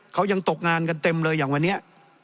เขายังตกงานกันเต็มเลยอย่างวันนี้